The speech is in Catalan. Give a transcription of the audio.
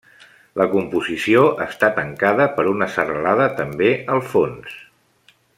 La composició està tancada per una serralada també al fons.